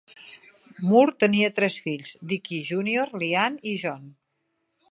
Moore tenia tres fills: Dickie Junior, Lianne i John.